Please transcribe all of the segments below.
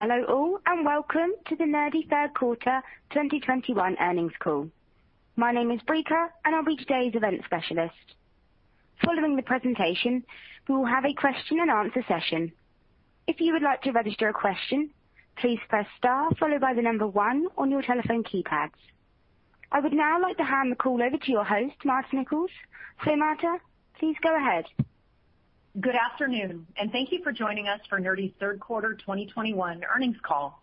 Hello all, and welcome to the Nerdy Q3 2021 earnings call. My name is Breaker, and I'll be today's event specialist. Following the presentation, we will have a question-and-answer session. If you would like to register a question, please press star followed by the number one on your telephone keypads. I would now like to hand the call over to your host, Marta Nichols. Marta, please go ahead. Good afternoon and thank you for joining us for Nerdy's Q3 2021 earnings call.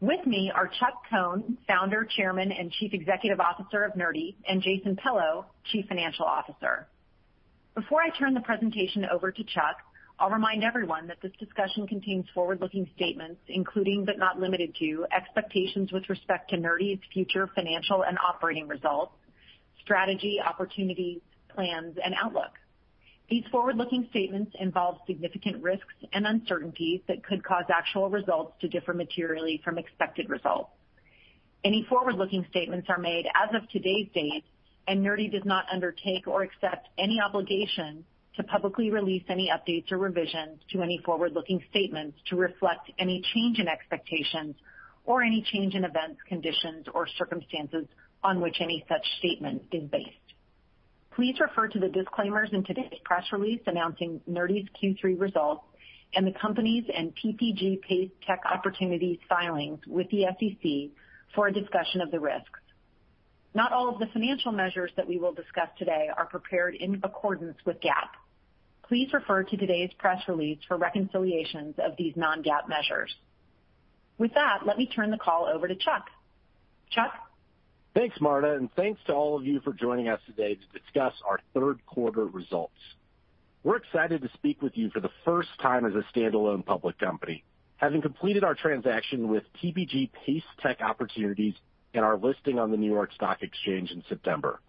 With me are Chuck Cohn, Founder, Chairman, and Chief Executive Officer of Nerdy, and Jason Pello, Chief Financial Officer. Before I turn the presentation over to Chuck, I'll remind everyone that this discussion contains forward-looking statements, including but not limited to expectations with respect to Nerdy's future financial and operating results, strategy, opportunities, plans, and outlook. These forward-looking statements involve significant risks and uncertainties that could cause actual results to differ materially from expected results. Any forward-looking statements are made as of today's date, and Nerdy does not undertake or accept any obligation to publicly release any updates or revisions to any forward-looking statements to reflect any change in expectations or any change in events, conditions, or circumstances on which any such statement is based. Please refer to the disclaimers in today's press release announcing Nerdy's Q3 results and the company's and TPG Pace Tech Opportunities filings with the SEC for a discussion of the risks. Not all of the financial measures that we will discuss today are prepared in accordance with GAAP. Please refer to today's press release for reconciliations of these non-GAAP measures. With that, let me turn the call over to Chuck. Chuck? Thanks, Marta, and thanks to all of you for joining us today to discuss our Q3 results. We're excited to speak with you for the first time as a standalone public company, having completed our transaction with TPG Pace Tech Opportunities and our listing on the New York Stock Exchange in September.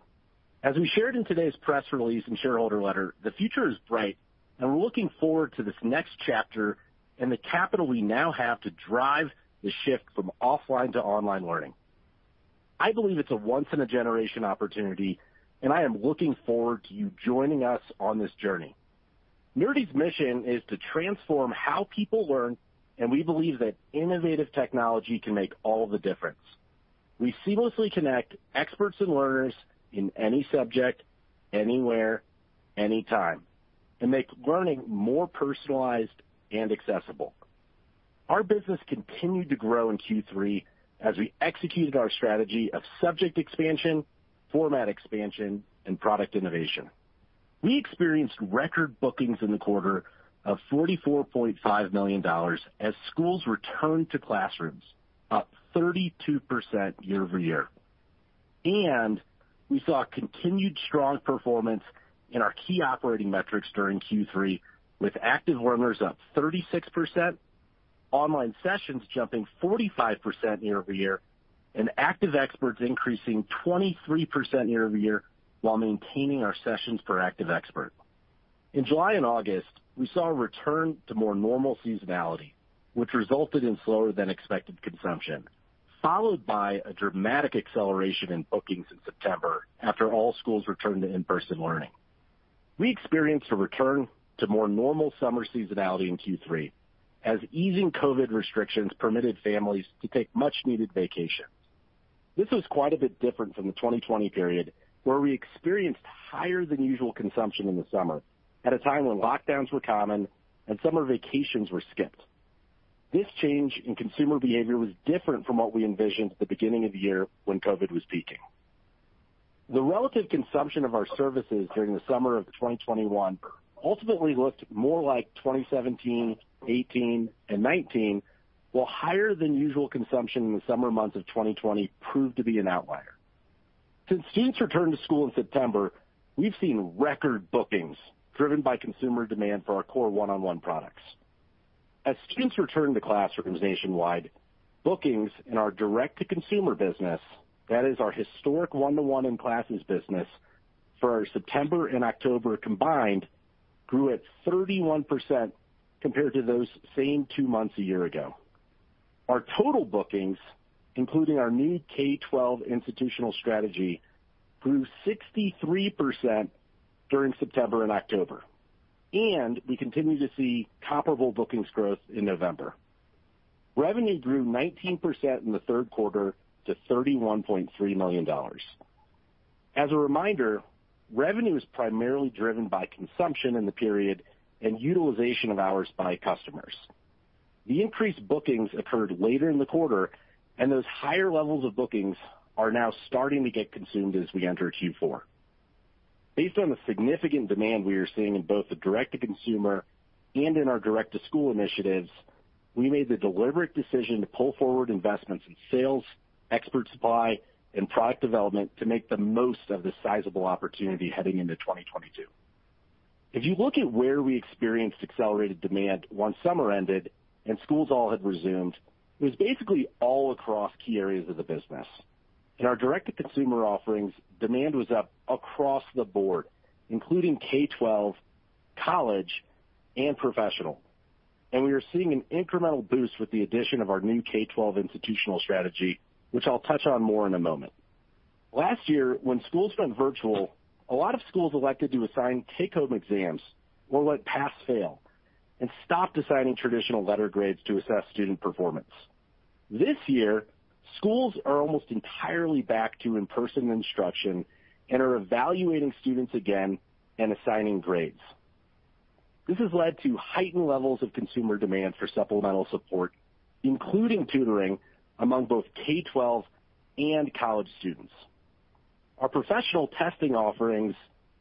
As we shared in today's press release and shareholder letter, the future is bright, and we're looking forward to this next chapter and the capital we now have to drive the shift from offline to online learning. I believe it's a once in a generation opportunity, and I am looking forward to you joining us on this journey. Nerdy's mission is to transform how people learn, and we believe that innovative technology can make all the difference. We seamlessly connect experts and learners in any subject, anywhere, anytime, and make learning more personalized and accessible. Our business continued to grow in Q3 as we executed our strategy of subject expansion, format expansion, and product innovation. We experienced record bookings in the quarter of $44.5 million as schools returned to classrooms, up 32% year-over-year. We saw continued strong performance in our key operating metrics during Q3, with active learners up 36%, online sessions jumping 45% year-over-year, and active experts increasing 23% year-over-year, while maintaining our sessions per active expert. In July and August, we saw a return to more normal seasonality, which resulted in slower than expected consumption, followed by a dramatic acceleration in bookings in September after all schools returned to in-person learning. We experienced a return to more normal summer seasonality in Q3 as easing COVID restrictions permitted families to take much needed vacations. This was quite a bit different from the 2020 period, where we experienced higher than usual consumption in the summer at a time when lockdowns were common and summer vacations were skipped. This change in consumer behavior was different from what we envisioned at the beginning of the year when COVID was peaking. The relative consumption of our services during the summer of 2021 ultimately looked more like 2017, 2018, and 2019, while higher than usual consumption in the summer months of 2020 proved to be an outlier. Since students returned to school in September, we've seen record bookings driven by consumer demand for our core one-on-one products. As students return to classrooms nationwide, bookings in our direct-to-consumer business, that is our historic one-to-one and classes business, for our September and October combined grew at 31% compared to those same two months a year ago. Our total bookings, including our new K-12 institutional strategy, grew 63% during September and October, and we continue to see comparable bookings growth in November. Revenue grew 19% in the Q3 to $31.3 million. As a reminder, revenue is primarily driven by consumption in the period and utilization of hours by customers. The increased bookings occurred later in the quarter, and those higher levels of bookings are now starting to get consumed as we enter Q4. Based on the significant demand we are seeing in both the direct-to-consumer and in our direct-to-school initiatives, we made the deliberate decision to pull forward investments in sales, expert supply, and product development to make the most of this sizable opportunity heading into 2022. If you look at where we experienced accelerated demand once summer ended and schools all had resumed, it was basically all across key areas of the business. In our direct-to-consumer offerings, demand was up across the board, including K-12, college, and professional. We are seeing an incremental boost with the addition of our new K-12 institutional strategy, which I'll touch on more in a moment. Last year, when schools went virtual, a lot of schools elected to assign take-home exams or went pass-fail and stopped assigning traditional letter grades to assess student performance. This year, schools are almost entirely back to in-person instruction and are evaluating students again and assigning grades. This has led to heightened levels of consumer demand for supplemental support, including tutoring, among both K-12 and college students. Our professional testing offerings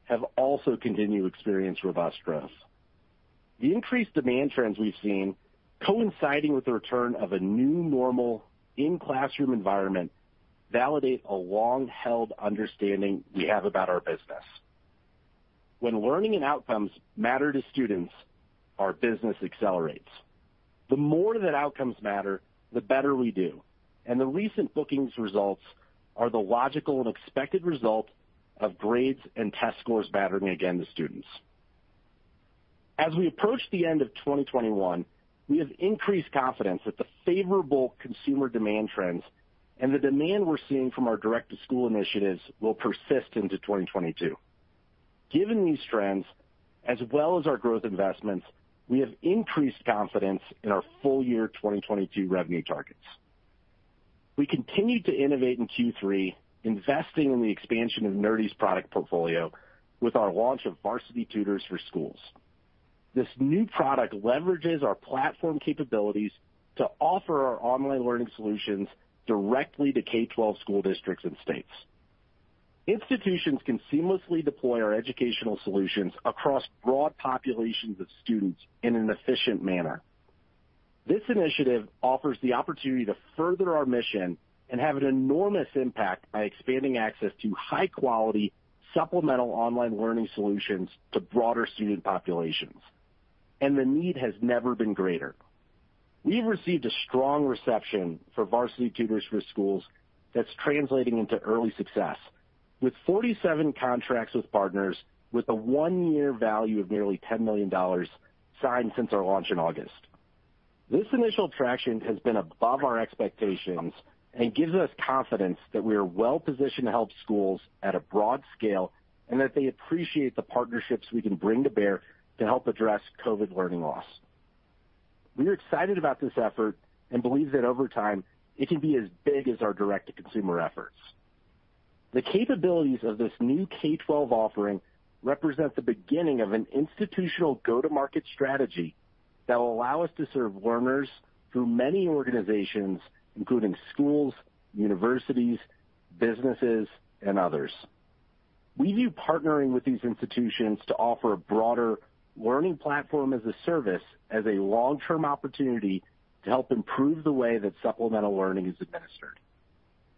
have also continued to experience robust growth. The increased demand trends we've seen coinciding with the return of a new normal in-classroom environment validate a long-held understanding we have about our business. When learning and outcomes matter to students, our business accelerates. The more that outcomes matter, the better we do. The recent bookings results are the logical and expected result of grades and test scores mattering again to students. As we approach the end of 2021, we have increased confidence that the favorable consumer demand trends and the demand we're seeing from our direct-to-school initiatives will persist into 2022. Given these trends, as well as our growth investments, we have increased confidence in our full year 2022 revenue targets. We continued to innovate in Q3, investing in the expansion of Nerdy's product portfolio with our launch of Varsity Tutors for Schools. This new product leverages our platform capabilities to offer our online learning solutions directly to K-12 school districts and states. Institutions can seamlessly deploy our educational solutions across broad populations of students in an efficient manner. This initiative offers the opportunity to further our mission and have an enormous impact by expanding access to high-quality supplemental online learning solutions to broader student populations, and the need has never been greater. We've received a strong reception for Varsity Tutors for Schools that's translating into early success, with 47 contracts with partners with a one-year value of nearly $10 million signed since our launch in August. This initial traction has been above our expectations and gives us confidence that we are well-positioned to help schools at a broad scale and that they appreciate the partnerships we can bring to bear to help address COVID learning loss. We are excited about this effort and believe that over time it can be as big as our direct-to-consumer efforts. The capabilities of this new K-12 offering represent the beginning of an institutional go-to-market strategy that will allow us to serve learners through many organizations, including schools, universities, businesses, and others. We view partnering with these institutions to offer a broader learning platform as a service, as a long-term opportunity to help improve the way that supplemental learning is administered.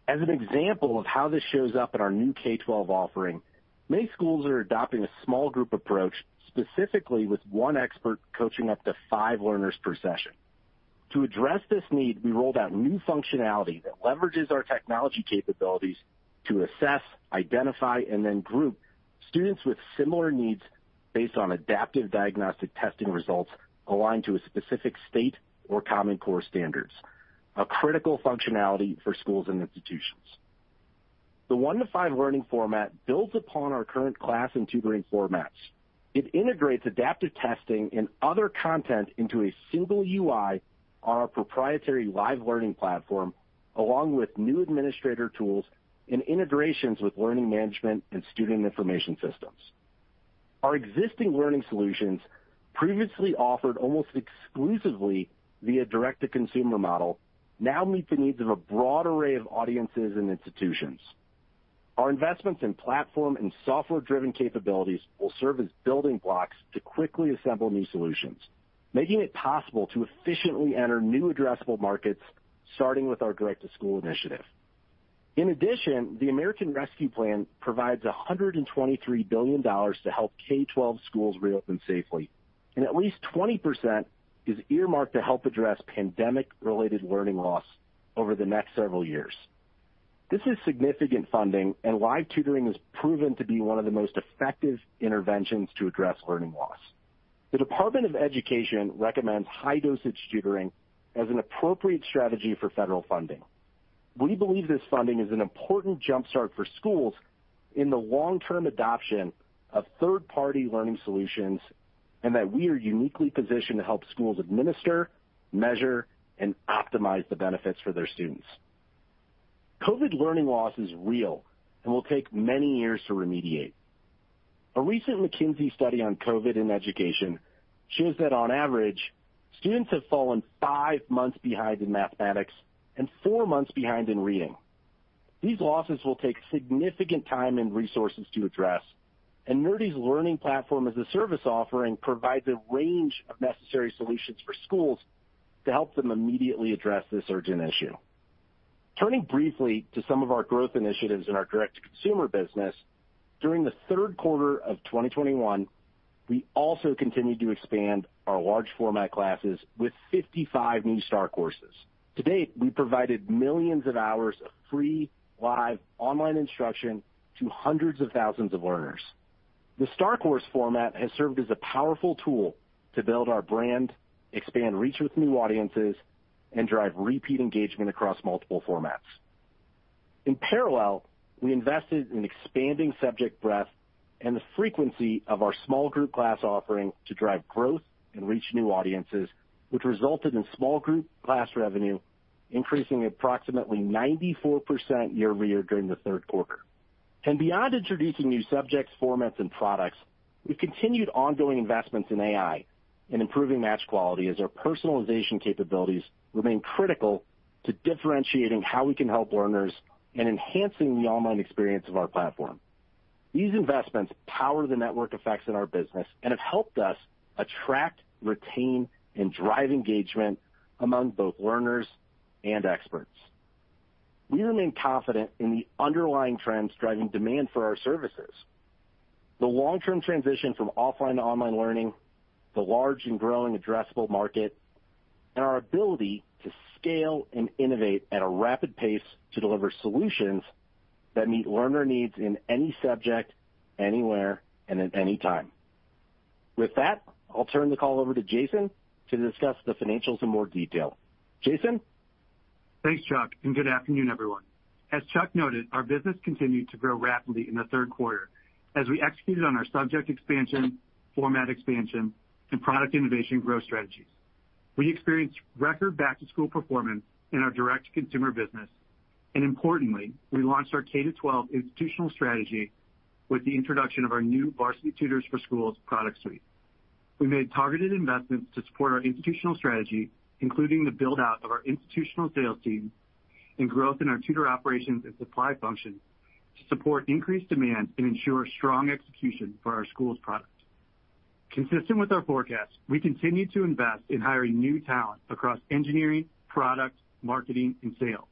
As an example of how this shows up in our new K-12 offering, many schools are adopting a small group approach, specifically with one expert coaching up to five learners per session. To address this need, we rolled out new functionality that leverages our technology capabilities to assess, identify, and then group students with similar needs based on adaptive diagnostic testing results aligned to a specific state or Common Core standards, a critical functionality for schools and institutions. The one-to-five learning format builds upon our current class and tutoring formats. It integrates adaptive testing and other content into a single UI on our proprietary live learning platform, along with new administrator tools and integrations with learning management and student information systems. Our existing learning solutions, previously offered almost exclusively via direct-to-consumer model, now meet the needs of a broad array of audiences and institutions. Our investments in platform and software-driven capabilities will serve as building blocks to quickly assemble new solutions, making it possible to efficiently enter new addressable markets, starting with our direct-to-school initiative. In addition, the American Rescue Plan provides $123 billion to help K-12 schools reopen safely, and at least 20% is earmarked to help address pandemic-related learning loss over the next several years. This is significant funding, and live tutoring has proven to be one of the most effective interventions to address learning loss. The Department of Education recommends high-dosage tutoring as an appropriate strategy for federal funding. We believe this funding is an important jumpstart for schools in the long-term adoption of third-party learning solutions, and that we are uniquely positioned to help schools administer, measure, and optimize the benefits for their students. COVID learning loss is real and will take many years to remediate. A recent McKinsey study on COVID and education shows that on average, students have fallen five months behind in mathematics and four months behind in reading. These losses will take significant time and resources to address, and Nerdy's learning platform as a service offering provides a range of necessary solutions for schools to help them immediately address this urgent issue. Turning briefly to some of our growth initiatives in our direct-to-consumer business, during the Q3 of 2021, we also continued to expand our large format classes with 55 new Star Courses. To date, we provided millions of hours of free, live online instruction to hundreds of thousands of learners. The Star Courses format has served as a powerful tool to build our brand, expand reach with new audiences, and drive repeat engagement across multiple formats. In parallel, we invested in expanding subject breadth and the frequency of our small group class offering to drive growth and reach new audiences, which resulted in small group class revenue increasing approximately 94% year-over-year during the Q3. Beyond introducing new subjects, formats, and products, we've continued ongoing investments in AI and improving match quality as our personalization capabilities remain critical to differentiating how we can help learners and enhancing the online experience of our platform. These investments power the network effects in our business and have helped us attract, retain, and drive engagement among both learners and experts. We remain confident in the underlying trends driving demand for our services. The long-term transition from offline to online learning, the large and growing addressable market, and our ability to scale and innovate at a rapid pace to deliver solutions that meet learner needs in any subject, anywhere, and at any time. With that, I'll turn the call over to Jason to discuss the financials in more detail. Jason? Thanks, Chuck, and good afternoon, everyone. As Chuck noted, our business continued to grow rapidly in the Q3 as we executed on our subject expansion, format expansion, and product innovation growth strategies. We experienced record back-to-school performance in our direct-to-consumer business. Importantly, we launched our K to 12 institutional strategies with the introduction of our new Varsity Tutors for Schools product suite. We made targeted investments to support our institutional strategy, including the build-out of our institutional sales team and growth in our tutor operations and supply function to support increased demand and ensure strong execution for our schools' product. Consistent with our forecast, we continue to invest in hiring new talent across engineering, product, marketing, and sales,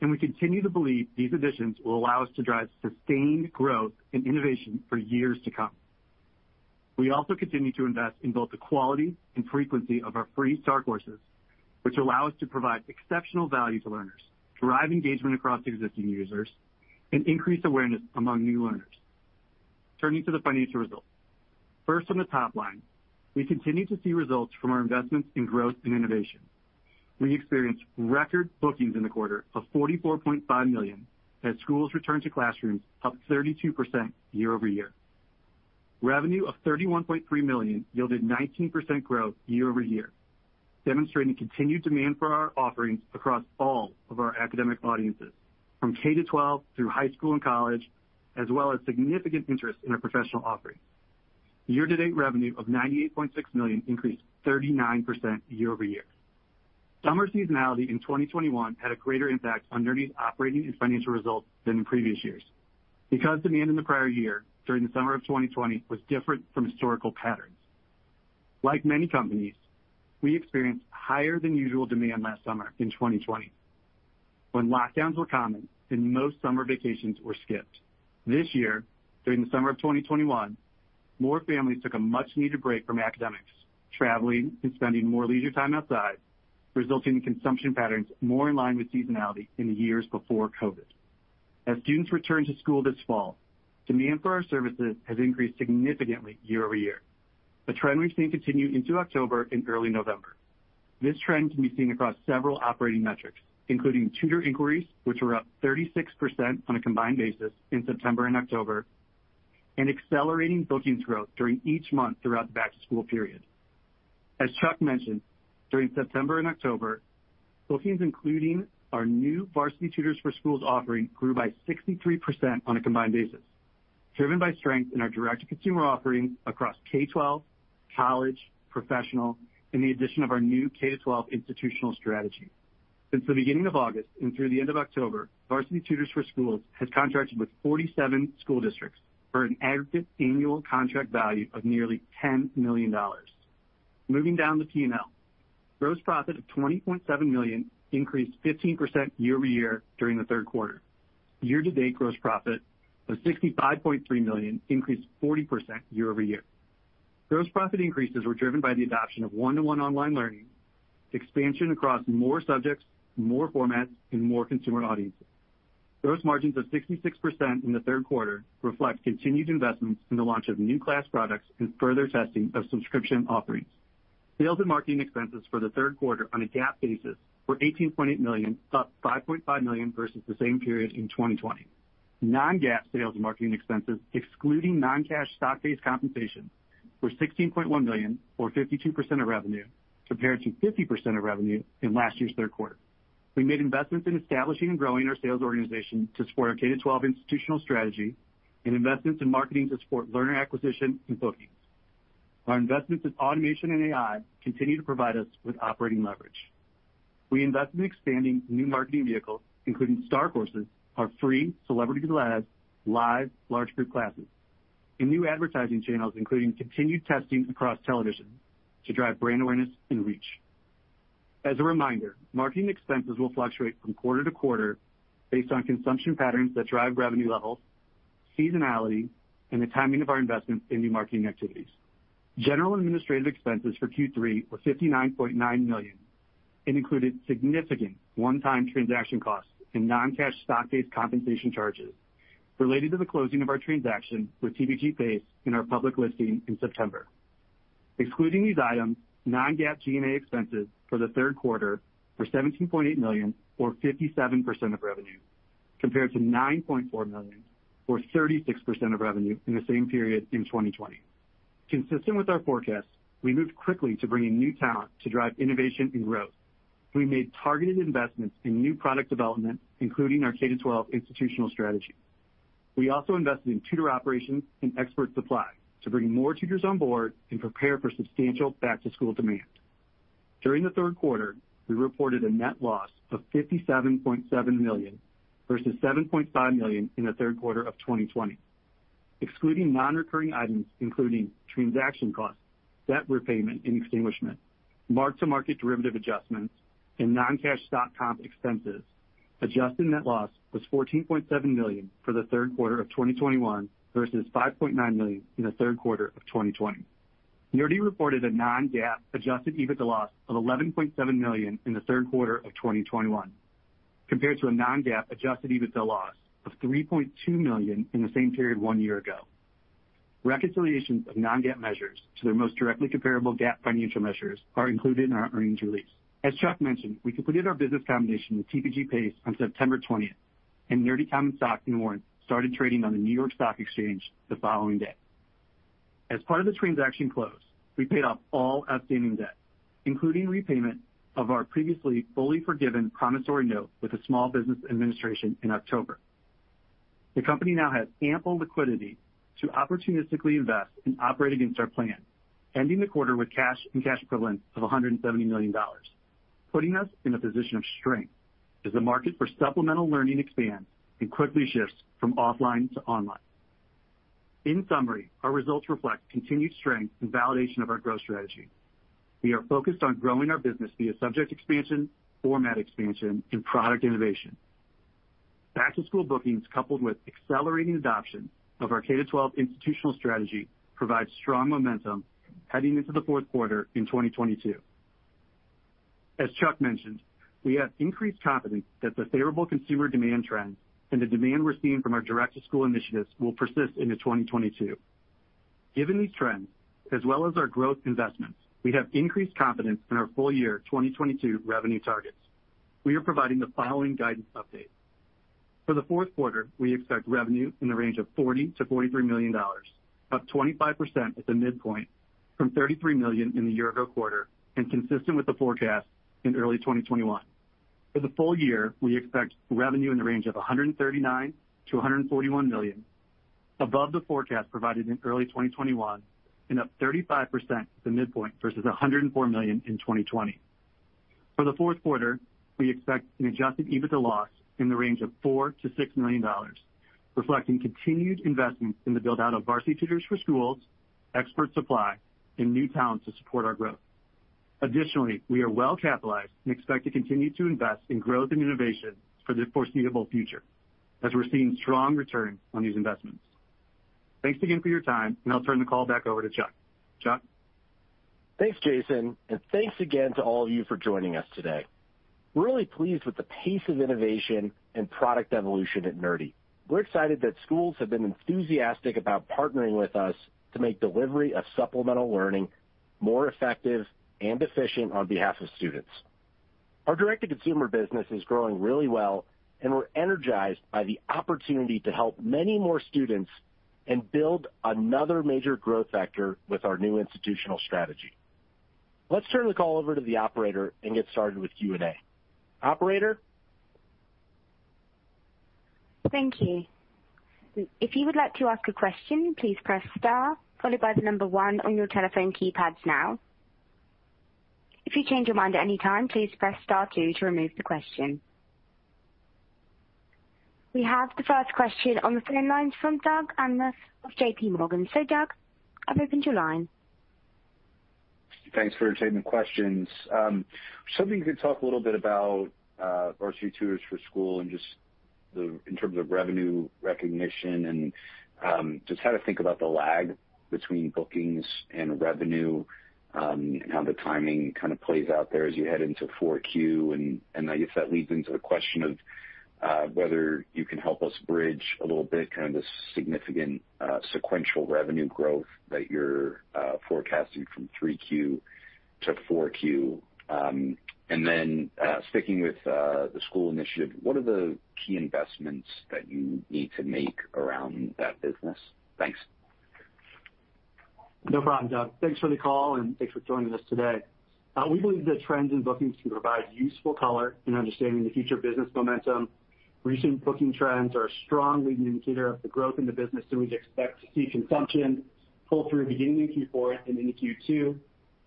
and we continue to believe these additions will allow us to drive sustained growth and innovation for years to come. We also continue to invest in both the quality and frequency of our free Star Courses, which allow us to provide exceptional value to learners, drive engagement across existing users, and increase awareness among new learners. Turning to the financial results. First, on the top line, we continue to see results from our investments in growth and innovation. We experienced record bookings in the quarter of $44.5 million as schools return to classrooms, up 32% year-over-year. Revenue of $31.3 million yielded 19% growth year-over-year, demonstrating continued demand for our offerings across all of our academic audiences, from K to 12 through high school and college, as well as significant interest in our professional offerings. Year-to-date revenue of $98.6 million increased 39% year-over-year. Summer seasonality in 2021 had a greater impact on Nerdy's operating and financial results than in previous years because demand in the prior year during the summer of 2020 was different from historical patterns. Like many companies, we experienced higher than usual demand last summer in 2020 when lockdowns were common and most summer vacations were skipped. This year, during the summer of 2021, more families took a much-needed break from academics, traveling and spending more leisure time outside, resulting in consumption patterns more in line with seasonality in the years before COVID. As students return to school this fall, demand for our services has increased significantly year-over-year, a trend we've seen continue into October and early November. This trend can be seen across several operating metrics, including tutor inquiries, which were up 36% on a combined basis in September and October, and accelerating bookings growth during each month throughout the back-to-school period. As Chuck mentioned, during September and October, bookings, including our new Varsity Tutors for Schools offering, grew by 63% on a combined basis, driven by strength in our direct-to-consumer offerings across K-12, college, professional, and the addition of our new K-12 institutional strategy. Since the beginning of August and through the end of October, Varsity Tutors for Schools has contracted with 47 school districts for an aggregate annual contract value of nearly $10 million. Moving down the P&L. Gross profit of $20.7 million increased 15% year-over-year during the Q3. Year-to-date gross profit of $65.3 million increased 40% year-over-year. Gross profit increases were driven by the adoption of one-on-one online learning, expansion across more subjects, more formats, and more consumer audiences. Gross margins of 66% in the Q3 reflect continued investments in the launch of new class products and further testing of subscription offerings. Sales and marketing expenses for the Q3 on a GAAP basis were $18.8 million, up $5.5 million versus the same period in 2020. Non-GAAP sales and marketing expenses, excluding non-cash stock-based compensation, were $16.1 million, or 52% of revenue, compared to 50% of revenue in last year's Q3. We made investments in establishing and growing our sales organization to support our K-12 institutional strategy and investments in marketing to support learner acquisition and bookings. Our investments in automation and AI continue to provide us with operating leverage. We invest in expanding new marketing vehicles, including Star Courses, our free celebrity-led live large group classes, and new advertising channels, including continued testing across television to drive brand awareness and reach. As a reminder, marketing expenses will fluctuate from quarter to quarter based on consumption patterns that drive revenue levels, seasonality, and the timing of our investments in new marketing activities. General and administrative expenses for Q3 were $59.9 million. It included significant one-time transaction costs and non-cash stock-based compensation charges related to the closing of our transaction with TPG Pace in our public listing in September. Excluding these items, non-GAAP G&A expenses for the Q3 were $17.8 million, or 57% of revenue, compared to $9.4 million, or 36% of revenue in the same period in 2020. Consistent with our forecast, we moved quickly to bring in new talent to drive innovation and growth. We made targeted investments in new product development, including our K-12 institutional strategy. We also invested in tutor operations and expert supply to bring more tutors on board and prepare for substantial back-to-school demand. During the Q3, we reported a net loss of $57.7 million, versus $7.5 million in the Q3 of 2020. Excluding non-recurring items, including transaction costs, debt repayment and extinguishment, mark-to-market derivative adjustments, and non-cash stock comp expenses, adjusted net loss was $14.7 million for the Q3 of 2021 versus $5.9 million in the Q3 of 2020. Nerdy reported a non-GAAP adjusted EBITDA loss of $11.7 million in the Q3 of 2021, compared to a non-GAAP adjusted EBITDA loss of $3.2 million in the same period one year ago. Reconciliations of non-GAAP measures to their most directly comparable GAAP financial measures are included in our earnings release. As Chuck mentioned, we completed our business combination with TPG Pace on September 20, and Nerdy common stock and warrants started trading on the New York Stock Exchange the following day. As part of this transaction close, we paid off all outstanding debt, including repayment of our previously fully forgiven promissory note with the U.S. Small Business Administration in October. The company now has ample liquidity to opportunistically invest and operate against our plan, ending the quarter with cash and cash equivalents of $170 million, putting us in a position of strength as the market for supplemental learning expands and quickly shifts from offline to online. In summary, our results reflect continued strength and validation of our growth strategy. We are focused on growing our business via subject expansion, format expansion, and product innovation. Back-to-school bookings, coupled with accelerating adoption of our K-12 institutional strategy, provides strong momentum heading into the Q4 in 2022. As Chuck mentioned, we have increased confidence that the favorable consumer demand trends and the demand we're seeing from our direct-to-school initiatives will persist into 2022. Given these trends, as well as our growth investments, we have increased confidence in our full year 2022 revenue targets. We are providing the following guidance update. For the Q4, we expect revenue in the range of $40-$43 million, up 25% at the midpoint from $33 million in the year-ago quarter and consistent with the forecast in early 2021. For the full year, we expect revenue in the range of $139-$141 million, above the forecast provided in early 2021 and up 35% at the midpoint versus $104 million in 2020. For the Q4, we expect an adjusted EBITDA loss in the range of $4 -$6 million, reflecting continued investments in the build-out of Varsity Tutors for Schools, expert supply, and new talent to support our growth. Additionally, we are well capitalized and expect to continue to invest in growth and innovation for the foreseeable future, as we're seeing strong returns on these investments. Thanks again for your time, and I'll turn the call back over to Chuck. Chuck? Thanks, Jason, and thanks again to all of you for joining us today. We're really pleased with the pace of innovation and product evolution at Nerdy. We're excited that schools have been enthusiastic about partnering with us to make delivery of supplemental learning more effective and efficient on behalf of students. Our direct-to-consumer business is growing really well, and we're energized by the opportunity to help many more students and build another major growth factor with our new institutional strategy. Let's turn the call over to the operator and get started with Q&A. Operator? Thank you. If you would like to ask a question, please press star followed by the number one on your telephone keypads now. If you change your mind at any time, please press star two to remove the question. We have the first question on the phone lines from Doug Anmuth of J.P. Morgan. Doug, I've opened your line. Thanks for taking the questions. I was hoping you could talk a little bit about Varsity Tutors for Schools and just in terms of revenue recognition and just how to think about the lag between bookings and revenue and how the timing kind of plays out there as you head into Q4. I guess that leads into the question of whether you can help us bridge a little bit kind of the significant sequential revenue growth that you're forecasting from Q3 to Q4. Sticking with the school initiative, what are the key investments that you need to make around that business? Thanks. No problem, Doug. Thanks for the call, and thanks for joining us today. We believe that trends in bookings can provide useful color in understanding the future business momentum. Recent booking trends are a strong leading indicator of the growth in the business that we'd expect to see consumption pull through beginning in Q4 and into Q2.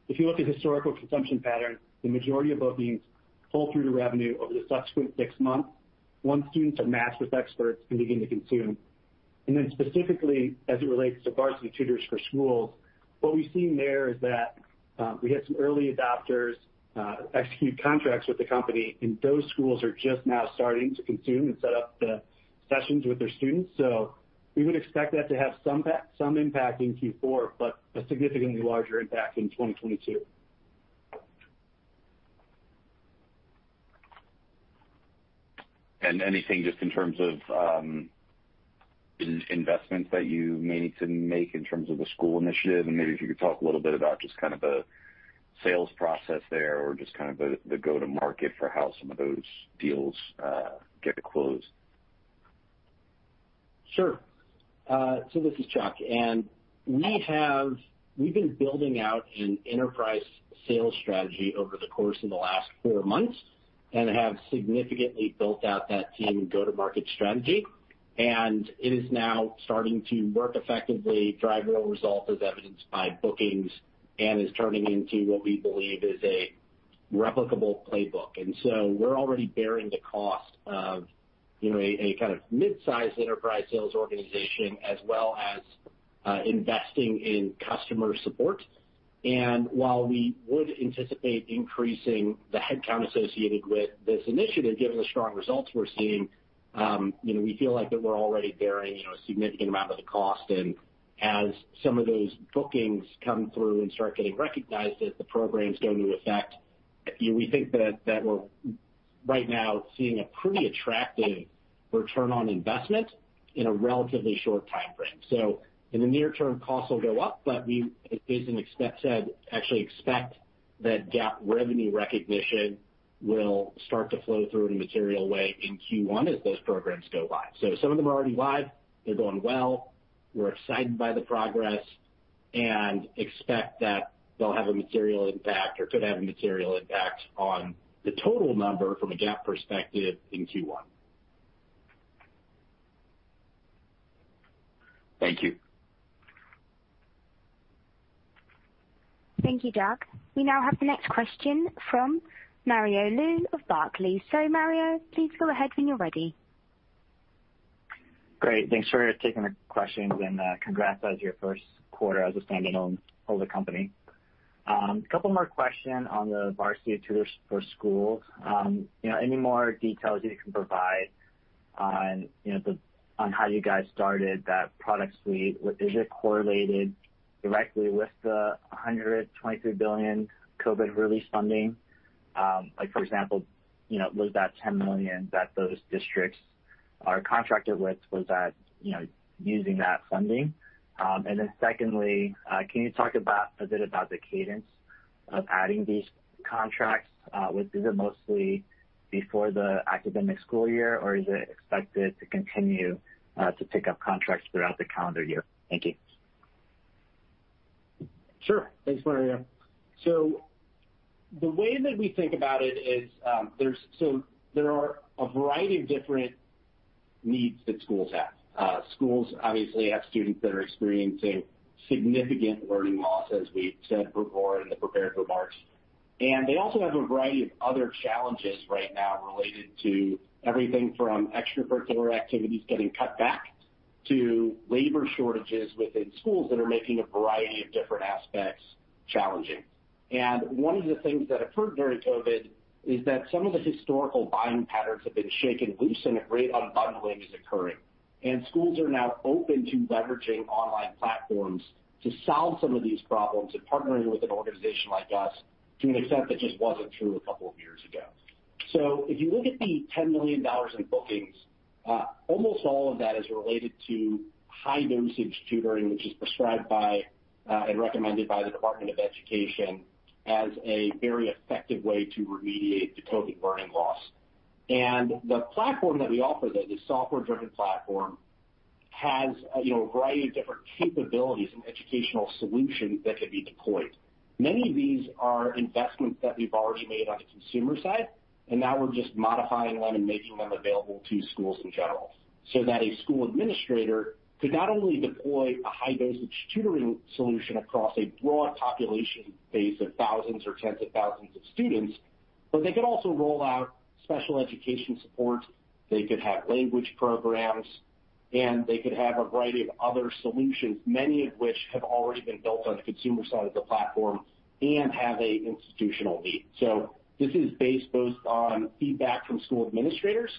If you look at historical consumption patterns, the majority of bookings pull through to revenue over the subsequent six months, once students are matched with experts and begin to consume. Specifically, as it relates to Varsity Tutors for Schools, what we've seen there is that we had some early adopters execute contracts with the company, and those schools are just now starting to consume and set up the sessions with their students. We would expect that to have some impact in Q4, but a significantly larger impact in 2022. Anything just in terms of investments that you may need to make in terms of the school initiative? Maybe if you could talk a little bit about just kind of the sales process there or just kind of the go-to-market for how some of those deals get closed. Sure. This is Chuck. We've been building out an enterprise sales strategy over the course of the last four months and have significantly built out that team go-to-market strategy. It is now starting to work effectively, drive real results as evidenced by bookings, and is turning into what we believe is a replicable playbook. We're already bearing the cost of, you know, a kind of mid-sized enterprise sales organization as well as investing in customer support. While we would anticipate increasing the headcount associated with this initiative, given the strong results we're seeing, you know, we feel like that we're already bearing a significant amount of the cost. As some of those bookings come through and start getting recognized as the programs go into effect, you know, we think that we're right now seeing a pretty attractive return on investment in a relatively short timeframe. In the near term, costs will go up, but we actually expect that GAAP revenue recognition will start to flow through in a material way in Q1 as those programs go live. Some of them are already live. They're going well. We're excited by the progress and expect that they'll have a material impact or could have a material impact on the total number from a GAAP perspective in Q1. Thank you. Thank you, Doug. We now have the next question from Mario Lu of Barclays. Mario, please go ahead when you're ready. Great. Thanks for taking the questions, and congrats on your Q1 as a standalone of the company. A couple more question on the Varsity Tutors for Schools. You know, any more details you can provide on, you know, on how you guys started that product suite? Is it correlated directly with the $123 billion COVID relief funding? Like for example, you know, was that $10 million that those districts are contracted with, was that, you know, using that funding? And then secondly, can you talk about a bit about the cadence of adding these contracts? Is it mostly before the academic school year, or is it expected to continue to pick up contracts throughout the calendar year? Thank you. Sure. Thanks, Mario. So the way that we think about it is, so there are a variety of different needs that schools have. Schools obviously have students that are experiencing significant learning loss, as we've said before in the prepared remarks. They also have a variety of other challenges right now related to everything from extracurricular activities getting cut back to labor shortages within schools that are making a variety of different aspects challenging. One of the things that occurred during COVID is that some of the historical buying patterns have been shaken loose, and a great unbundling is occurring. Schools are now open to leveraging online platforms to solve some of these problems and partnering with an organization like us to an extent that just wasn't true a couple of years ago. If you look at the $10 million in bookings, almost all of that is related to high-dosage tutoring, which is prescribed by and recommended by the Department of Education as a very effective way to remediate the COVID learning loss. The platform that we offer, that is software-driven platform, has, you know, a variety of different capabilities and educational solutions that could be deployed. Many of these are investments that we've already made on the consumer side, and now we're just modifying them and making them available to schools in general, so that a school administrator could not only deploy a high-dosage tutoring solution across a broad population base of thousands or tens of thousands of students, but they could also roll out special education support, they could have language programs, and they could have a variety of other solutions, many of which have already been built on the consumer side of the platform and have an institutional need. This is based both on feedback from school administrators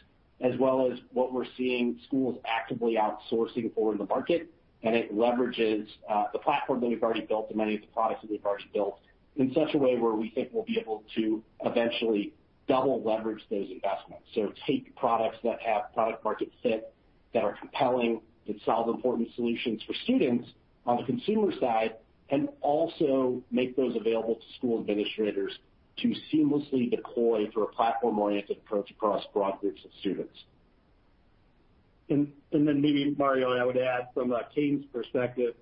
as well as what we're seeing schools actively outsourcing for in the market, and it leverages the platform that we've already built and many of the products that we've already built in such a way where we think we'll be able to eventually double leverage those investments. Take products that have product market fit, that are compelling, that solve important solutions for students on the consumer side, and also make those available to school administrators to seamlessly deploy for a platform-oriented approach across broad groups of students. Maybe, Mario, I would add from a cadence perspective,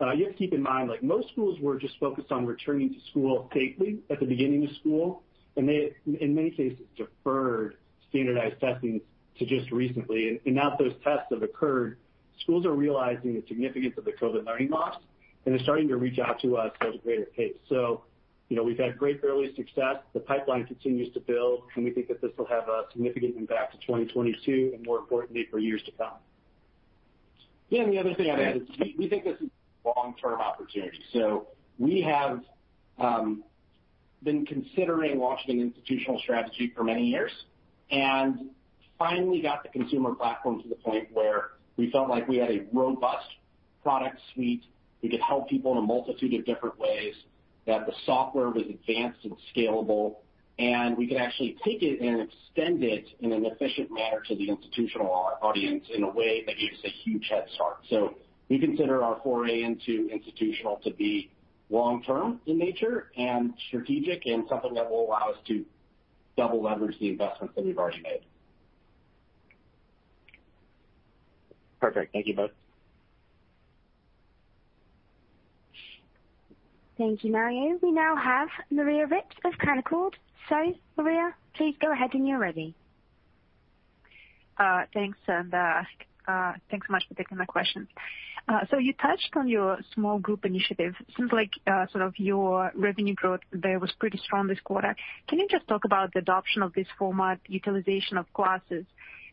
you have to keep in mind, like most schools were just focused on returning to school safely at the beginning of school, and they in many cases deferred standardized testing to just recently. Now that those tests have occurred, schools are realizing the significance of the COVID learning loss, and they're starting to reach out to us at a greater pace. You know, we've had great early success. The pipeline continues to build, and we think that this will have a significant impact to 2022 and more importantly for years to come. Yeah. The other thing I'd add is we think this is long-term opportunity. We have been considering launching an institutional strategy for many years and finally got the consumer platform to the point where we felt like we had a robust product suite. We could help people in a multitude of different ways, that the software was advanced and scalable, and we could actually take it and extend it in an efficient manner to the institutional audience in a way that gives us a huge head start. We consider our foray into institutional to be long-term in nature and strategic, and something that will allow us to double leverage the investments that we've already made. Perfect. Thank you both. Thank you, Mario. We now have Maria Ripps of Canaccord. Maria, please go ahead when you're ready. Thanks so much for taking my questions. You touched on your small group initiative. Seems like sort of your revenue growth there was pretty strong this quarter. Can you just talk about the adoption of this format, utilization of classes?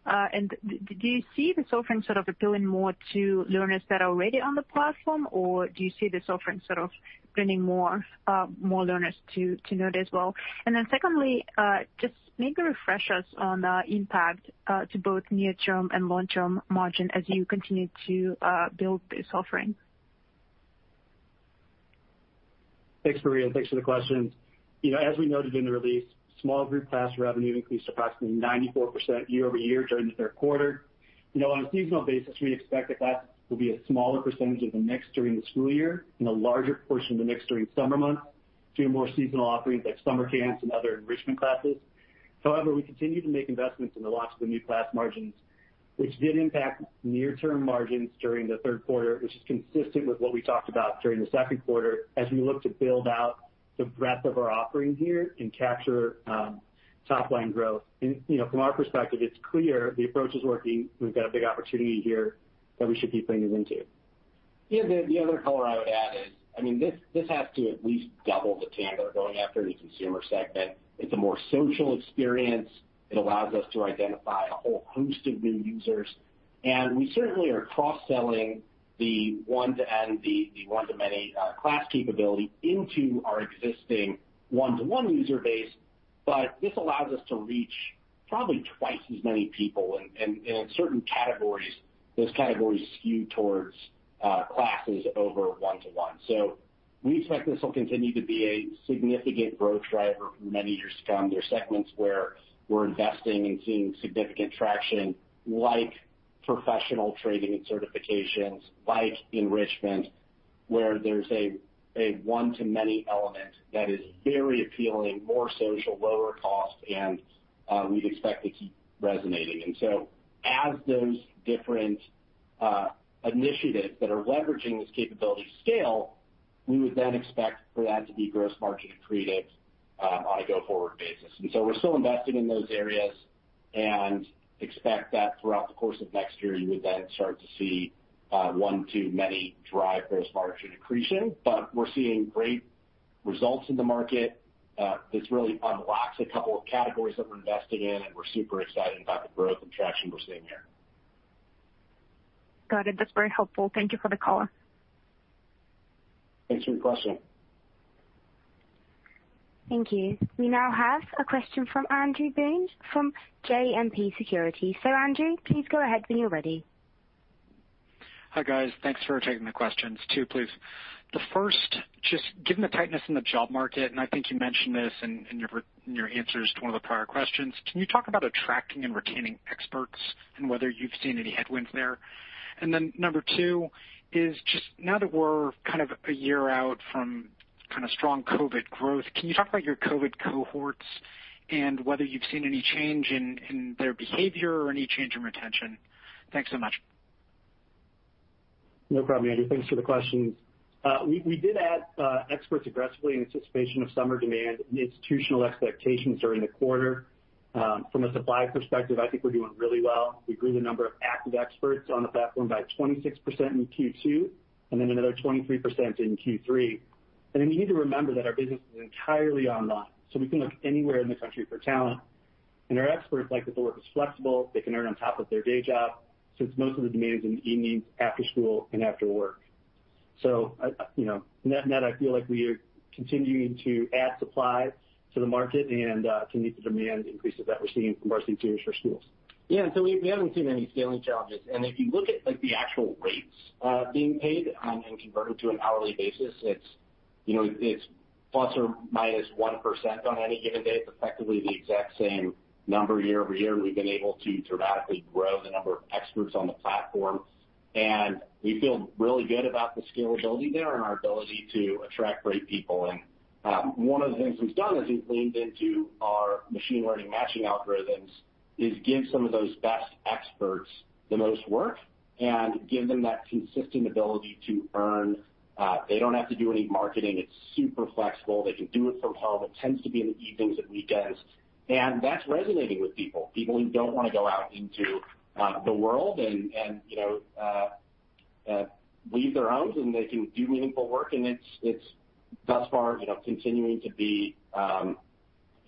Do you see this offering sort of appealing more to learners that are already on the platform, or do you see this offering sort of bringing more learners to note as well? Then secondly, just maybe refresh us on impact to both near-term and long-term margin as you continue to build this offering. Thanks, Maria Ripps, and thanks for the questions. You know, as we noted in the release, small group class revenue increased approximately 94% year-over-year during the Q3. You know, on a seasonal basis, we expect that will be a smaller percentage of the mix during the school year and a larger portion of the mix during summer months through more seasonal offerings like summer camps and other enrichment classes. However, we continue to make investments in lowering the new class margins, which did impact near-term margins during the Q3, which is consistent with what we talked about during the Q2 as we look to build out the breadth of our offering here and capture top-line growth. You know, from our perspective, it's clear the approach is working. We've got a big opportunity here that we should be leaning into. Yeah. The other color I would add is, I mean, this has to at least double the TAM that we're going after in the consumer segment. It's a more social experience. It allows us to identify a whole host of new users, and we certainly are cross-selling the one-to-N, the one-to-many class capability into our existing one-to-one user base. This allows us to reach probably twice as many people. In certain categories, those categories skew towards classes over one-to-one. We expect this will continue to be a significant growth driver for many years to come. There are segments where we're investing and seeing significant traction, like professional training and certifications, like enrichment, where there's a one-to-many element that is very appealing, more social, lower cost, and we'd expect to keep resonating. As those different initiatives that are leveraging this capability scale, we would then expect for that to be gross margin accretive, on a go-forward basis. We're still investing in those areas and expect that throughout the course of next year, you would then start to see, one-to-many drive gross margin accretion. We're seeing great results in the market, this really unlocks a couple of categories that we're investing in, and we're super excited about the growth and traction we're seeing here. Got it. That's very helpful. Thank you for the color. Thanks for your question. Thank you. We now have a question from Andrew Boone from JMP Securities. Andrew, please go ahead when you're ready. Hi, guys. Thanks for taking the questions. Two, please. The first, just given the tightness in the job market, and I think you mentioned this in your answers to one of the prior questions, can you talk about attracting and retaining experts and whether you've seen any headwinds there? And then number two is just now that we're kind of a year out from kind of strong COVID growth, can you talk about your COVID cohorts and whether you've seen any change in their behavior or any change in retention? Thanks so much. No problem, Andrew. Thanks for the questions. We did add experts aggressively in anticipation of summer demand and institutional expectations during the quarter. From a supply perspective, I think we're doing really well. We grew the number of active experts on the platform by 26% in Q2 and then another 23% in Q3. You need to remember that our business is entirely online, so we can look anywhere in the country for talent. Our experts like that the work is flexible. They can earn on top of their day job, since most of the demand is in the evenings after school and after work. You know, net-net I feel like we are continuing to add supply to the market and can meet the demand increases that we're seeing from our CTAs for schools. Yeah. We haven't seen any scaling challenges. If you look at like the actual rates, being paid, and converted to an hourly basis, it's, you know, it's plus or minus 1% on any given day. It's effectively the exact same number year-over-year, and we've been able to dramatically grow the number of experts on the platform. We feel really good about the scalability there and our ability to attract great people. One of the things we've done as we've leaned into our machine learning matching algorithms is give some of those best experts the most work and give them that consistent ability to earn. They don't have to do any marketing. It's super flexible. They can do it from home. It tends to be in the evenings and weekends, and that's resonating with people who don't wanna go out into the world and leave their homes and they can do meaningful work. It's thus far continuing to be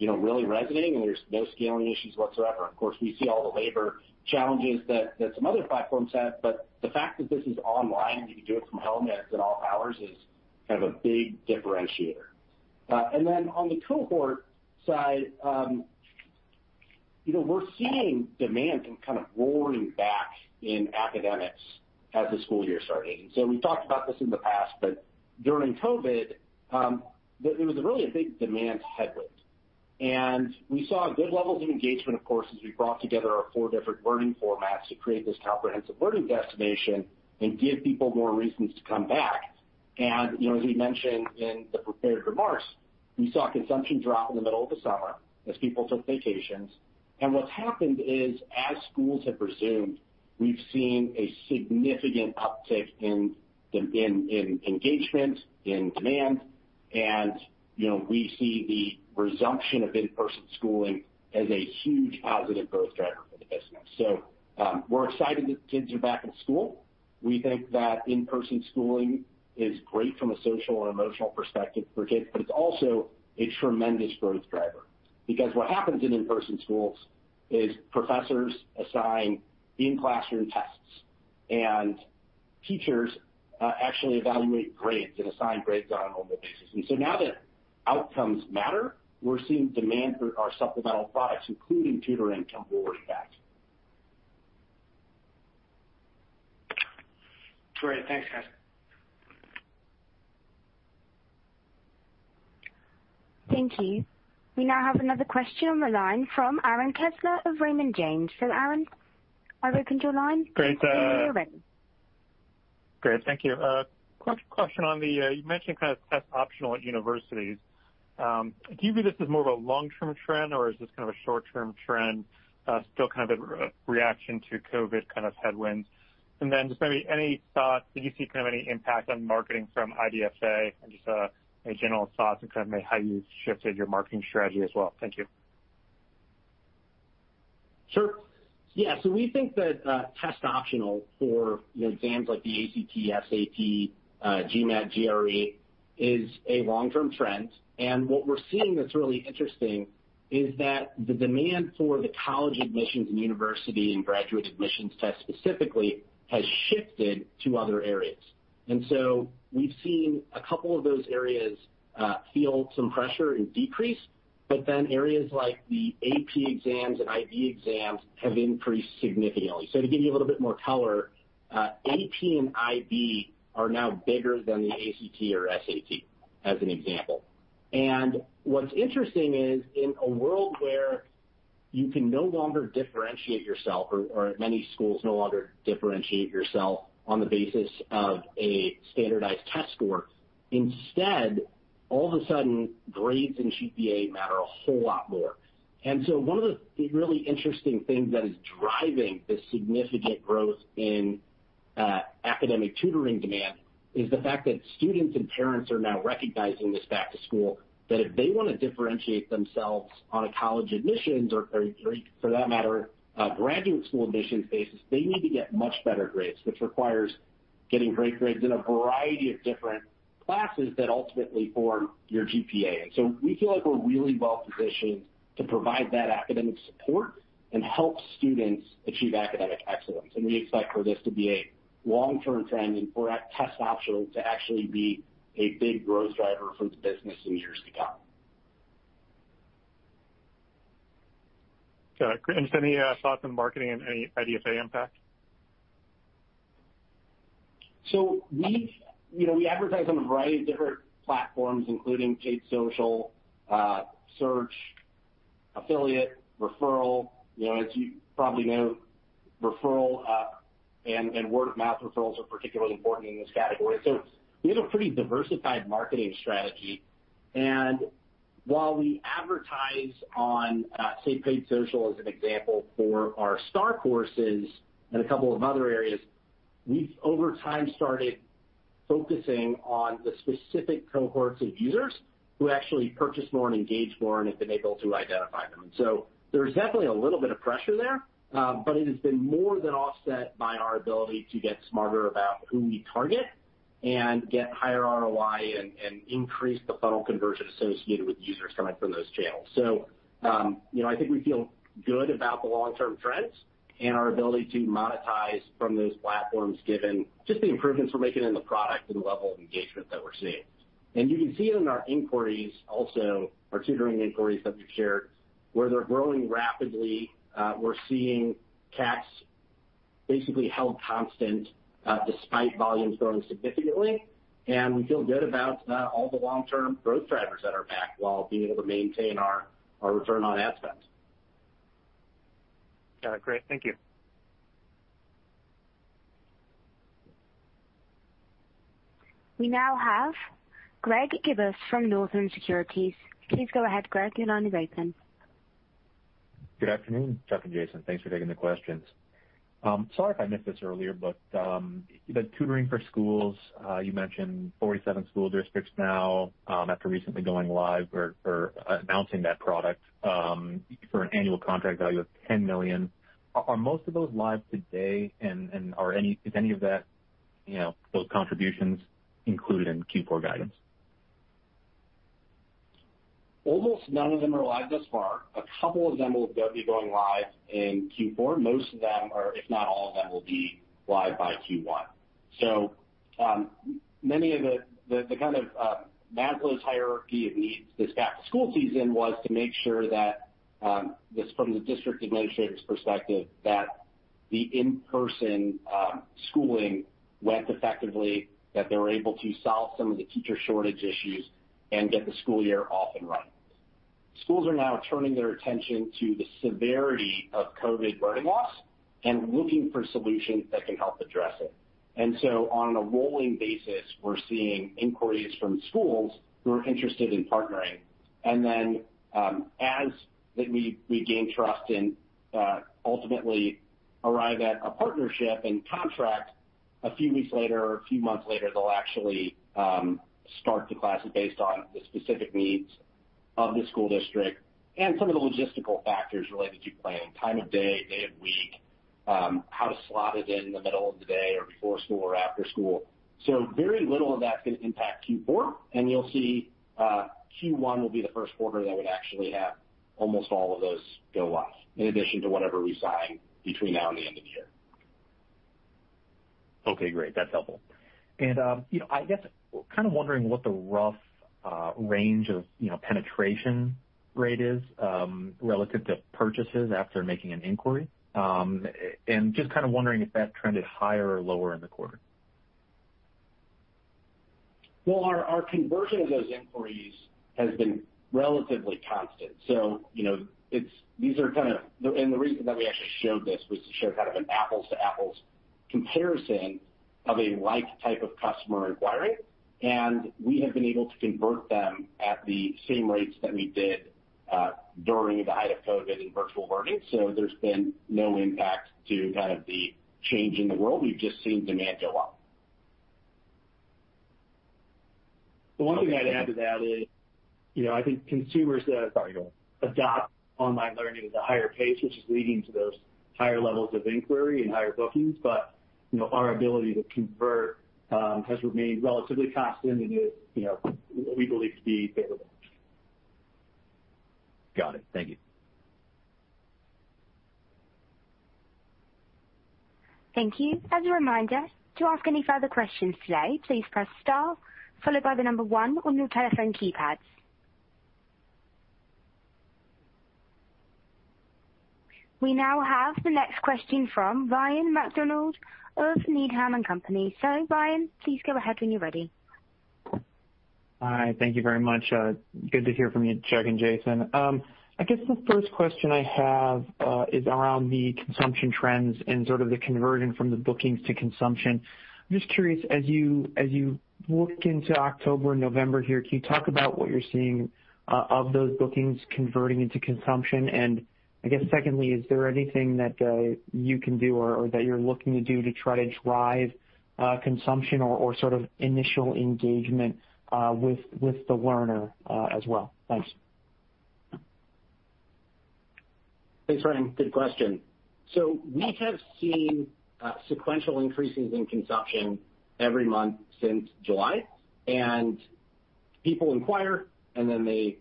really resonating, and there's no scaling issues whatsoever. Of course, we see all the labor challenges that some other platforms have, but the fact that this is online and you can do it from home and it's at off hours is kind of a big differentiator. Then on the cohort side, we're seeing demand kind of roaring back in academics as the school year's starting. We've talked about this in the past, but during COVID, there was really a big demand headwind. We saw good levels of engagement, of course, as we brought together our four different learning formats to create this comprehensive learning destination and give people more reasons to come back. You know, as we mentioned in the prepared remarks, we saw consumption drop in the middle of the summer as people took vacations. What's happened is, as schools have resumed, we've seen a significant uptick in engagement and demand. You know, we see the resumption of in-person schooling as a huge positive growth driver for the business. We're excited that kids are back in school. We think that in-person schooling is great from a social and emotional perspective for kids, but it's also a tremendous growth driver. Because what happens in in-person schools is professors assign in-classroom tests, and teachers, actually evaluate grades and assign grades on a normal basis. Now that outcomes matter, we're seeing demand for our supplemental products, including tutoring, come roaring back. Great. Thanks, guys. Thank you. We now have another question on the line from Aaron Kessler of Raymond James. Aaron, I've opened your line. Great. You may begin. Great. Thank you. Quick question on the, you mentioned kind of test optional at universities. Do you view this as more of a long-term trend, or is this kind of a short-term trend, still kind of a reaction to COVID kind of headwinds? And then just maybe any thoughts, do you see kind of any impact on marketing from IDFA? And just, any general thoughts in kind of how you shifted your marketing strategy as well. Thank you. Sure. Yeah. We think that test optional for, you know, exams like the ACT, SAT, GMAT, GRE is a long-term trend. What we're seeing that's really interesting is that the demand for the college admissions and university and graduate admissions tests specifically has shifted to other areas. We've seen a couple of those areas feel some pressure and decrease, but then areas like the AP exams and IB exams have increased significantly. To give you a little bit more color, AP and IB are now bigger than the ACT or SAT, as an example. What's interesting is, in a world where you can no longer differentiate yourself or many schools no longer differentiate yourself on the basis of a standardized test score, instead, all of a sudden, grades and GPA matter a whole lot more. One of the really interesting things that is driving this significant growth in academic tutoring demand is the fact that students and parents are now recognizing this back to school, that if they wanna differentiate themselves on a college admissions or for that matter, a graduate school admissions basis, they need to get much better grades, which requires getting great grades in a variety of different classes that ultimately form your GPA. We feel like we're really well-positioned to provide that academic support and help students achieve academic excellence. We expect for this to be a long-term trend and for a test optional to actually be a big growth driver for the business in years to come. Okay. Just any thoughts on marketing and any IDFA impact? We've. You know, we advertise on a variety of different platforms, including paid social, search, affiliate, referral. You know, as you probably know, referral and word-of-mouth referrals are particularly important in this category. We have a pretty diversified marketing strategy. While we advertise on, say, paid social as an example for our Star Courses and a couple of other areas, we've over time started focusing on the specific cohorts of users who actually purchase more and engage more and have been able to identify them. There's definitely a little bit of pressure there, but it has been more than offset by our ability to get smarter about who we target and get higher ROI and increase the funnel conversion associated with users coming from those channels. You know, I think we feel good about the long-term trends and our ability to monetize from those platforms given just the improvements we're making in the product and the level of engagement that we're seeing. You can see it in our inquiries also, our tutoring inquiries that we've shared, where they're growing rapidly. We're seeing CACs basically held constant despite volumes growing significantly. We feel good about all the long-term growth drivers that are back while being able to maintain our return on ad spend. Great. Thank you. We now have Gregory Gibas from Northland Securities. Please go ahead, Greg. Your line is open. Good afternoon, Chuck and Jason. Thanks for taking the questions. Sorry if I missed this earlier, but the tutoring for schools, you mentioned 47 school districts now, after recently going live or announcing that product, for an annual contract value of $10 million. Are most of those live today and is any of that, you know, those contributions included in Q4 guidance? Almost none of them are live thus far. A couple of them will be going live in Q4. Most of them are, if not all of them, will be live by Q1. Many of the kind of Maslow's hierarchy of needs this past school season was to make sure that this from the district administrators' perspective, that the in-person schooling went effectively, that they were able to solve some of the teacher shortage issues and get the school year off and running. Schools are now turning their attention to the severity of COVID learning loss and looking for solutions that can help address it. On a rolling basis, we're seeing inquiries from schools who are interested in partnering. as we gain trust and ultimately arrive at a partnership and contract, a few weeks later or a few months later, they'll actually start the classes based on the specific needs of the school district and some of the logistical factors related to planning, time of day of week, how to slot it in in the middle of the day or before school or after school. Very little of that's gonna impact Q4. You'll see, Q1 will be the Q1 that we actually have almost all of those go live, in addition to whatever we sign between now and the end of the year. Okay, great. That's helpful. You know, I guess kind of wondering what the rough range of, you know, penetration rate is relative to purchases after making an inquiry. Just kind of wondering if that trend is higher or lower in the quarter. Well, our conversion of those inquiries has been relatively constant. You know, the reason that we actually showed this was to show kind of an apples to apples comparison of a like type of customer inquiring, and we have been able to convert them at the same rates that we did during the height of COVID and virtual learning. There's been no impact to kind of the change in the world. We've just seen demand go up. The one thing I'd add to that is, you know, I think consumers. Sorry, go on.... adopt online learning at a higher pace, which is leading to those higher levels of inquiry and higher bookings. You know, our ability to convert has remained relatively constant and is, you know, we believe to be favorable. Got it. Thank you. Thank you. As a reminder, to ask any further questions today, please press star followed by the number one on your telephone keypads. We now have the next question from Ryan MacDonald of Needham & Company. Ryan, please go ahead when you're ready. Hi. Thank you very much. Good to hear from you, Chuck and Jason. I guess the first question I have is around the consumption trends and sort of the conversion from the bookings to consumption. I'm just curious, as you look into October and November here, can you talk about what you're seeing of those bookings converting into consumption? I guess secondly, is there anything that you can do or that you're looking to do to try to drive consumption or sort of initial engagement with the learner as well? Thanks. Thanks, Ryan. Good question. We have seen sequential increases in consumption every month since July. People inquire, and then they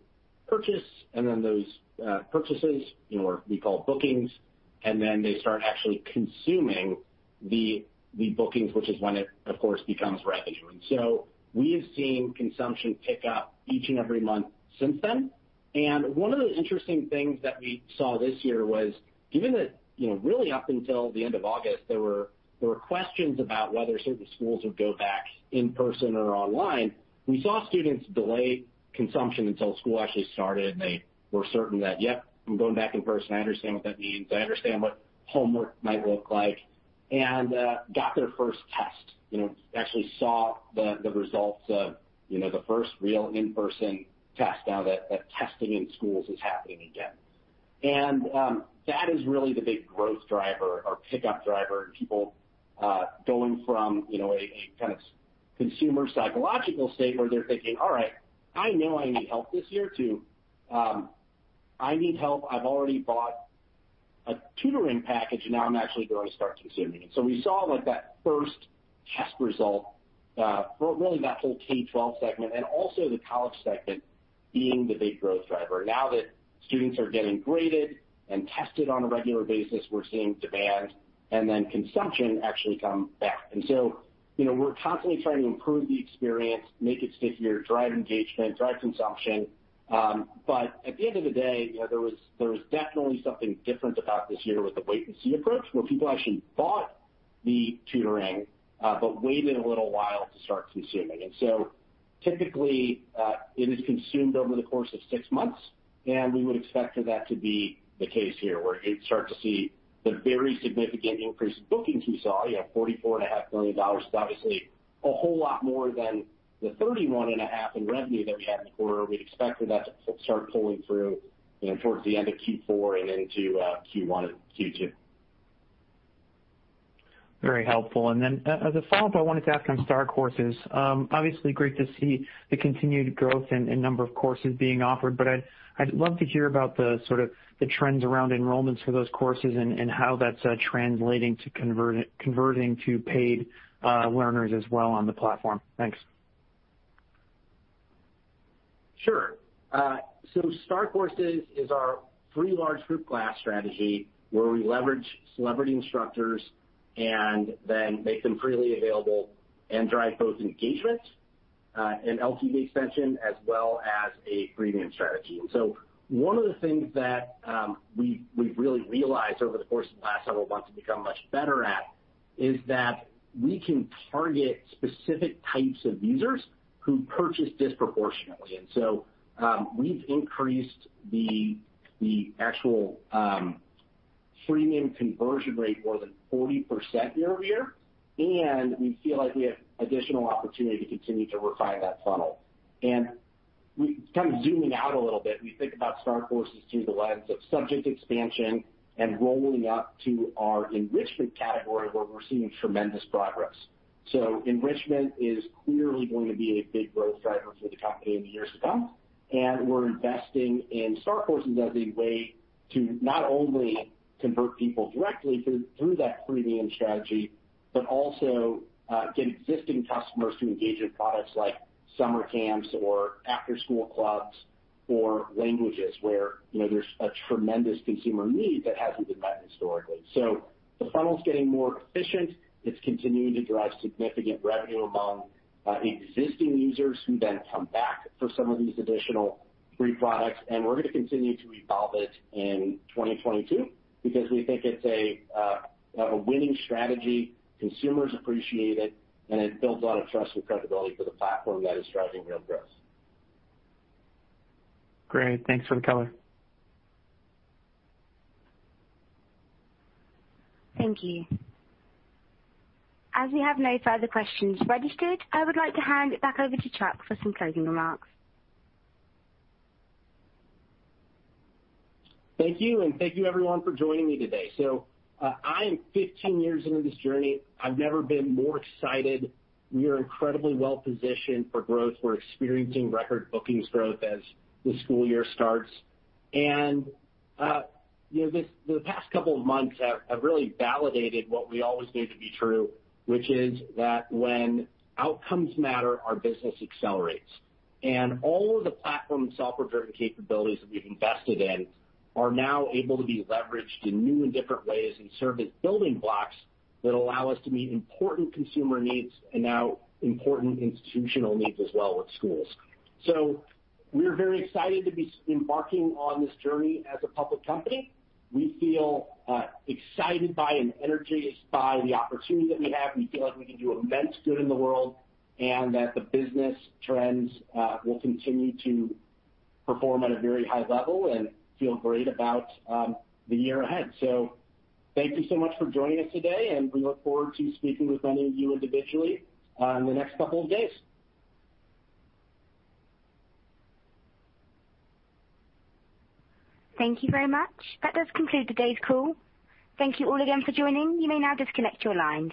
purchase, and then those purchases, you know, or we call bookings, and then they start actually consuming the bookings, which is when it, of course, becomes revenue. We have seen consumption pick up each and every month since then. One of the interesting things that we saw this year was given that, you know, really up until the end of August, there were questions about whether certain schools would go back in person or online, we saw students delay consumption until school actually started, and they were certain that, "Yep, I'm going back in person. I understand what that means. I understand what homework might look like," and got their first test. You know, I actually saw the results of, you know, the first real in-person test now that testing in schools is happening again. That is really the big growth driver or pickup driver and people going from, you know, a kind of consumer psychological state where they're thinking, "All right, I know I need help this year," to "I need help. I've already bought a tutoring package, and now I'm actually going to start consuming it." We saw like that first test result for really that whole K-12 segment and also the college segment being the big growth driver. Now that students are getting graded and tested on a regular basis, we're seeing demand and then consumption actually come back. You know, we're constantly trying to improve the experience, make it stickier, drive engagement, drive consumption. At the end of the day, you know, there was definitely something different about this year with the wait and see approach, where people actually bought the tutoring, but waited a little while to start consuming. Typically, it is consumed over the course of six months, and we would expect for that to be the case here, where you start to see the very significant increase in bookings we saw, you know, $44.5 million, obviously a whole lot more than the $31.5 million in revenue that we had in the quarter. We'd expect for that to start pulling through, you know, towards the end of Q4 and into Q1 and Q2. Very helpful. As a follow-up, I wanted to ask on Star Courses. Obviously great to see the continued growth in number of courses being offered, but I'd love to hear about the sort of the trends around enrollments for those courses and how that's translating to converting to paid learners as well on the platform. Thanks. Sure. Star Courses is our free large group class strategy where we leverage celebrity instructors and then make them freely available and drive both engagement and LTV expansion as well as a freemium strategy. One of the things that we've really realized over the course of the last several months and become much better at is that we can target specific types of users who purchase disproportionately. We've increased the actual freemium conversion rate more than 40% year-over-year, and we feel like we have additional opportunity to continue to refine that funnel. Kind of zooming out a little bit, we think about Star Courses through the lens of subject expansion and rolling up to our enrichment category, where we're seeing tremendous progress. Enrichment is clearly going to be a big growth driver for the company in the years to come, and we're investing in Star Courses as a way to not only convert people directly through that freemium strategy, but also get existing customers to engage in products like summer camps or after-school clubs or languages where, you know, there's a tremendous consumer need that hasn't been met historically. The funnel's getting more efficient. It's continuing to drive significant revenue among existing users who then come back for some of these additional free products. We're gonna continue to evolve it in 2022 because we think it's a winning strategy, consumers appreciate it, and it builds a lot of trust and credibility for the platform that is driving real growth. Great. Thanks for the color. Thank you. As we have no further questions registered, I would like to hand it back over to Chuck for some closing remarks. Thank you, and thank you everyone for joining me today. I am 15 years into this journey. I've never been more excited. We are incredibly well positioned for growth. We're experiencing record bookings growth as the school year starts. You know, this, the past couple of months have really validated what we always knew to be true, which is that when outcomes matter, our business accelerates. All of the platform and software-driven capabilities that we've invested in are now able to be leveraged in new and different ways and serve as building blocks that allow us to meet important consumer needs and now important institutional needs as well with schools. We're very excited to be embarking on this journey as a public company. We feel excited by and energized by the opportunity that we have. We feel like we can do immense good in the world, and that the business trends will continue to perform at a very high level and feel great about the year ahead. Thank you so much for joining us today, and we look forward to speaking with many of you individually in the next couple of days. Thank you very much. That does conclude today's call. Thank you all again for joining. You may now disconnect your lines.